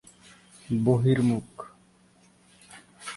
বহির্মুখ